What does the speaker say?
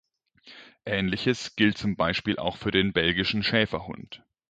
Ähnliches gilt zum Beispiel auch für den Belgischen Schäferhund.